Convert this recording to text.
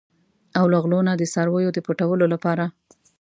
او له غلو نه د څارویو د پټولو لپاره.